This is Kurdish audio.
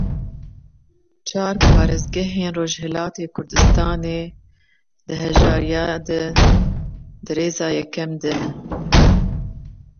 Çar parêzgehên Rojhilatê Kurdistanê di hejariyê de di rêza yekem de ne.